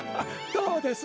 どうです？